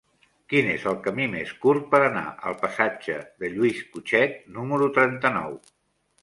Quin és el camí més curt per anar al passatge de Lluís Cutchet número trenta-nou?